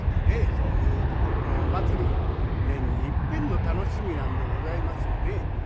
そういうところのお祭り年にいっぺんの楽しみなんでございますよね。